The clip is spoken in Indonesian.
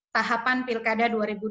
tahapan pilkada dua ribu dua puluh